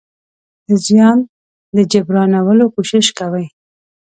د زيان د جبرانولو کوشش کوي.